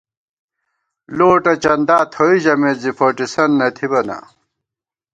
لوٹہ چندا تھوئی ژَمېت زی فوٹِسَنت نہ تھِبہ نا